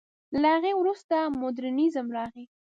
له هغې وروسته مډرنېزم راغی.